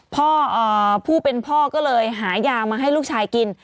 ผู้เป็นพ่อก็เลยหายามาให้ลูกชายกิน